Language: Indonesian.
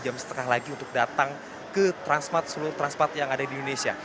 jam setengah lagi untuk datang ke transmat seluruh transmat yang ada di indonesia